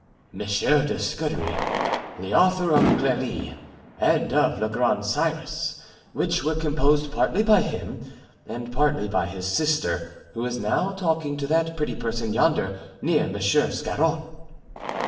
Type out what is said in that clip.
"Monsieur de Scudery, the author of 'Clelie,' and of 'Le Grand Cyrus,' which were composed partly by him and partly by his sister, who is now talking to that pretty person yonder, near Monsieur Scarron."